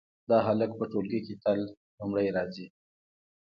دا هلک په ټولګي کې تل لومړی راځي